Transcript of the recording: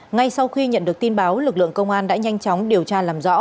ngay sau khi nhận được tin báo lực lượng công an đã nhanh chóng điều tra làm rõ